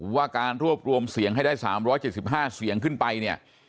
ว่าการรวบรวมเสียงให้ได้๓๗๕เสียงขึ้นไปเนี่ย